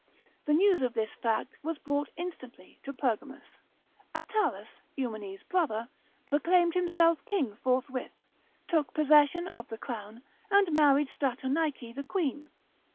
The news of this fact was brought instantly to Pergamus; Attalus, Eumenes' brother, proclaimed himself king forthwith, took possession of the crown, and married Stratonice the queen.